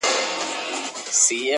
ټول لګښت دي درکومه نه وېرېږم؛